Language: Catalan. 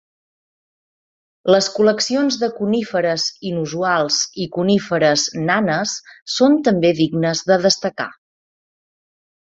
Les col·leccions de coníferes inusuals i coníferes nanes són també dignes de destacar.